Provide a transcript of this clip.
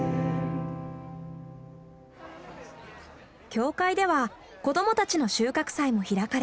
教会では子どもたちの収穫祭も開かれる。